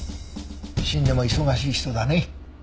死んでも忙しい人だね。